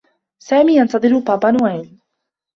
سامي ينتظر بابا نويل.